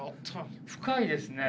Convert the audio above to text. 深いですね。